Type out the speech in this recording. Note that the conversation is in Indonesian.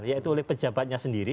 yaitu oleh pejabatnya sendiri